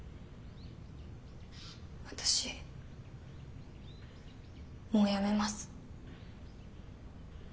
私もうやめます。